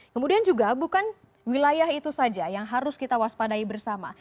kemudian juga bukan wilayah itu saja yang harus kita waspadai bersama